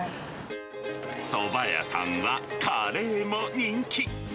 そば屋さんはカレーも人気。